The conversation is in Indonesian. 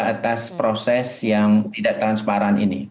atas proses yang tidak transparan ini